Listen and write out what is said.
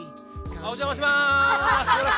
お邪魔します。